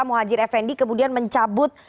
muhajir fnd kemudian mencabut